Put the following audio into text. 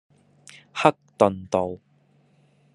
克頓道